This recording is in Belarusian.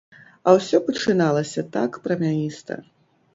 А ўсё пачыналася так прамяніста!